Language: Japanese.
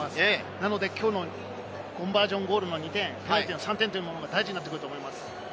なので、きょうのコンバージョンゴールの２点、３点というのが大事になってくると思います。